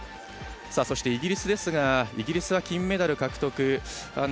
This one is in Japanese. そしてイギリスですがイギリスは金メダル獲得。